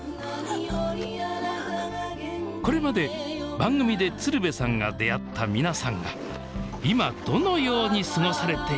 これまで番組で鶴瓶さんが出会った皆さんが今どのように過ごされているか。